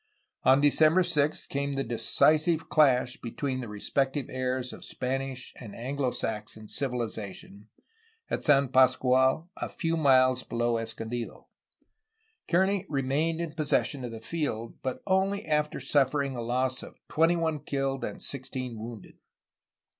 On December 6 came the decisive clash between the respective heirs of Spanish and Anglo Saxon civilization, at San Pascual, a few miles below Escondido. Kearny remained in possession of the field, but only after suffering a loss of twenty one killed and sixteen wounded.